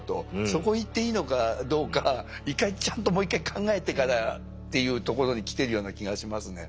そこいっていいのかどうか一回ちゃんともう一回考えてからっていうところに来てるような気がしますね。